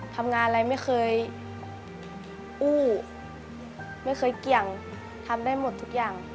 ทำงานอะไรไม่เคยอู้